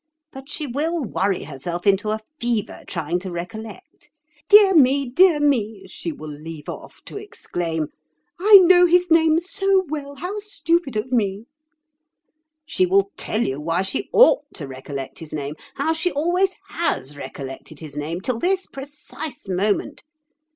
But she will worry herself into a fever trying to recollect. 'Dear, dear me!' she will leave off to exclaim; 'I know his name so well. How stupid of me!' She will tell you why she ought to recollect his name, how she always has recollected his name till this precise moment.